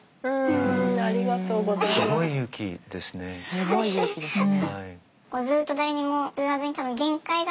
すごい勇気ですね。